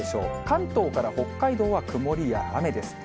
関東から北海道は曇りや雨です。